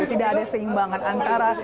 tidak ada seimbangan antara